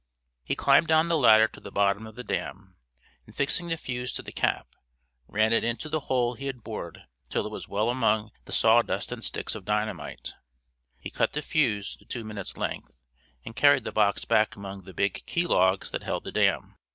He climbed down the ladder to the bottom of the dam, and fixing the fuse to the cap, ran it into the hole he had bored till it was well among the sawdust and sticks of dynamite. He cut the fuse to two minutes' length, and carried the box back among the big key logs that held the dam.